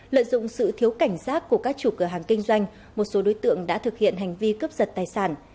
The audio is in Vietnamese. lợi dụng sự thiếu cảnh giác của các chủ cửa hàng kinh doanh một số đối tượng đã thực hiện hành vi cướp giật tài sản